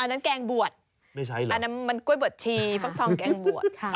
อันนั้นแกงบวชไม่ใช่เหรออันนั้นมันกล้วยบวชทีฟังฟองแกงบวช